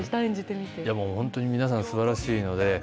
本当に皆さん、すばらしいので。